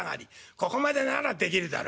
ここまでならできるだろ」。